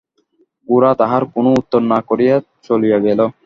গোরা তাহার কোনো উত্তর না করিয়া চলিয়া গেল।